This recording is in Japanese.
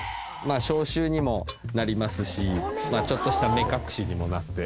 消臭にもなりますしちょっとした目隠しにもなって。